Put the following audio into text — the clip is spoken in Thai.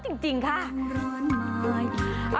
ร้อนจริงค่ะ